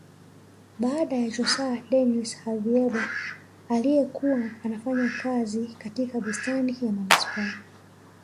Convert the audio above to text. Baba yake JosÃ Dinis Aveiro aliye kuwa anafanya kazi katika bustani ya manispaa